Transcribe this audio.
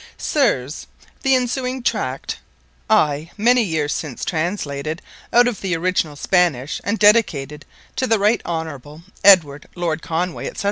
Sirs, _The ensuing Tract, I, many yeares since Translated out of the Originall Spanish, and Dedicated to the Right Honorable Edward Lord Conway, &c.